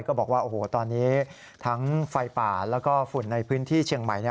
ก็บอกว่าโอ้โหตอนนี้ทั้งไฟป่าแล้วก็ฝุ่นในพื้นที่เชียงใหม่